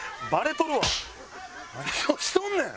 何をしとんねん！